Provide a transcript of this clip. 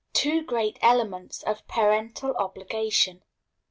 The two great Elements of Parental Obligation.